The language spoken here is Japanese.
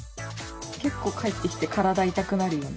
結構帰ってきて体痛くなるよね。